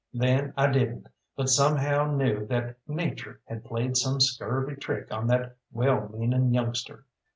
Then I didn't, but somehow knew that Nature had played some scurvy trick on that well meaning youngster.